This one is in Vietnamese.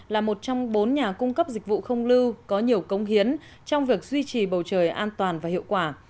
là một trong bốn nhà cung cấp dịch vụ không lưu có nhiều công hiến trong việc duy trì bầu trời an toàn và hiệu quả